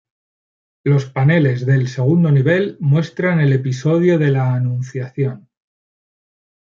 Los paneles del segundo nivel muestran el episodio de la Anunciación.